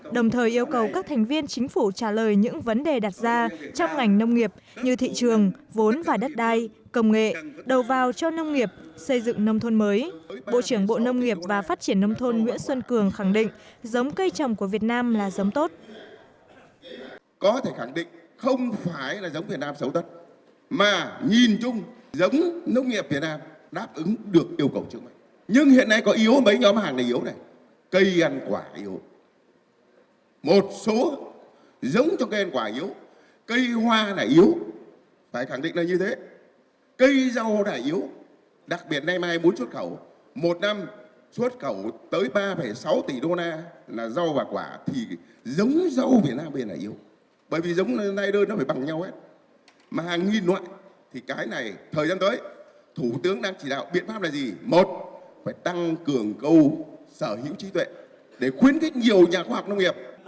đồng thời yêu cầu các thành viên chính phủ trả lời những vấn đề đặt ra trong ngành nông nghiệp như thị trường vốn và đất đai công nghệ đầu vào cho nông nghiệp như thị trường vốn và đất đai công nghệ đầu vào cho nông nghiệp như thị trường vốn và đất đai công nghệ đầu vào cho nông nghiệp như thị trường vốn và đất đai công nghệ đầu vào cho nông nghiệp như thị trường vốn và đất đai công nghệ đầu vào cho nông nghiệp như thị trường vốn và đất đai công nghệ đầu vào cho nông nghiệp như thị trường vốn và đất đai công nghệ đầu vào cho nông nghiệp như thị trường